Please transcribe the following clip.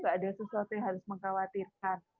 gak ada sesuatu yang harus mengkhawatirkan